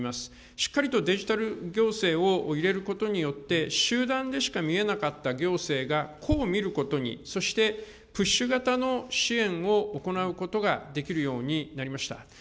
しっかりとデジタル行政を入れることによって、集団でしか見えなかった行政が、ほぼ見ることに、そしてプッシュ型の支援を行うことができるようになりました。